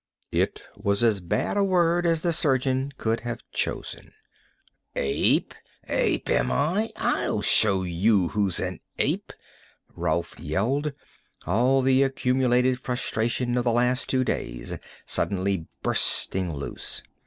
It was as bad a word as the surgeon could have chosen. "Ape! Ape, am I! I'll show you who's an ape!" Rolf yelled, all the accumulated frustration of the last two days suddenly bursting loose.